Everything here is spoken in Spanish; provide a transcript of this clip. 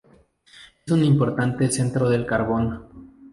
Es un importante centro del carbón.